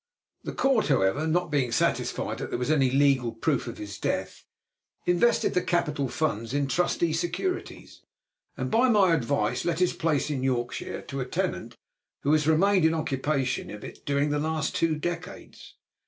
The Court, however, not being satisfied that there was any legal proof of his death, invested the capital funds in trustee securities, and by my advice let his place in Yorkshire to a tenant who has remained in occupation of it during the last two decades.